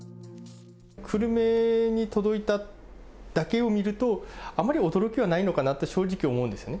久留米に届いただけを見ると、あまり驚きはないのかなって、正直思うんですね。